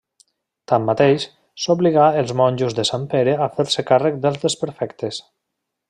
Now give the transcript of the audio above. Tanmateix, obligà els monjos de Sant Pere a fer-se càrrec dels desperfectes.